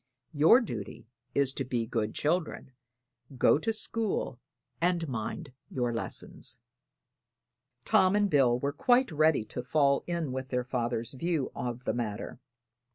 Your duty is to be good children, go to school and mind your lessons." Tom and Bill were quite ready to fall in with their father's view of the matter.